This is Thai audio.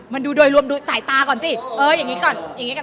มันดูโดยรวมดูสายตาก่อนสิอย่างงี้ก่อน